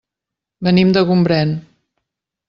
Venim de Gombrèn.